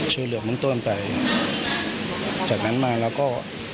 ชื่อเรือกมุ่งต้นไปจากนั้นมาแล้วก็